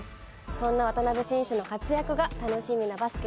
そんな渡邊選手の活躍が楽しみなバスケ